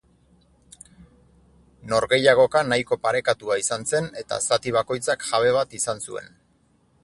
Norgehiagoka nahiko parekatua izan zen eta zati bakoitzak jabe bat izan zuen.